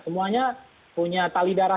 semuanya punya tali darah